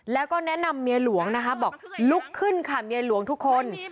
แล้วก็แนะนำเมียหลวงนะคะบอกลุกขึ้นค่ะเมียหลวงทุกคน